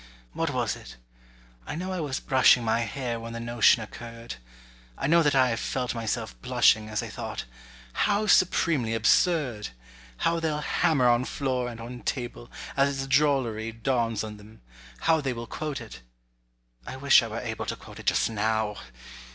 What was it? I know I was brushing My hair when the notion occurred: I know that I felt myself blushing As I thought, "How supremely absurd! "How they'll hammer on floor and on table "As its drollery dawns on them—how They will quote it"—I wish I were able To quote it just now.